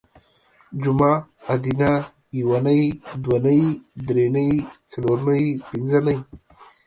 جومه ادینه یونۍ دونۍ درېنۍ څلورنۍ پنځنۍ